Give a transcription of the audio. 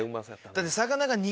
だって。